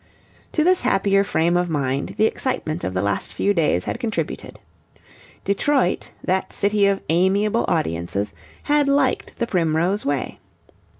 To this happier frame of mind the excitement of the last few days had contributed. Detroit, that city of amiable audiences, had liked "The Primrose Way."